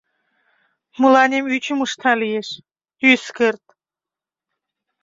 Мыланем ӱчым ышта лиеш, ӱскырт!